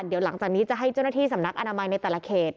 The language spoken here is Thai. เดี๋ยวหลังจากนี้จะให้เจ้าหน้าที่สำนักอนามัยในแต่ละเขต